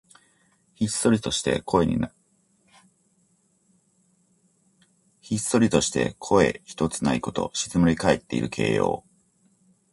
ひっそりとして声ひとつないこと。静まりかえっている形容。